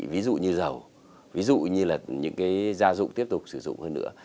ví dụ như dầu ví dụ như là những cái gia dụng tiếp tục sử dụng hơn nữa